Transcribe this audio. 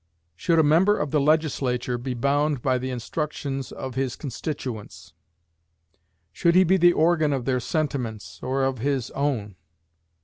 Should a member of the legislature be bound by the instructions of his constituents? Should he be the organ of their sentiments, or of his own?